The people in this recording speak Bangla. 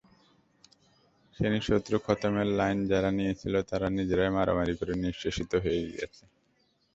শ্রেণিশত্রু খতমের লাইন যারা নিয়েছিল, তারা নিজেরাই মারামারি করে নিঃশেষিত হয়ে গেছে।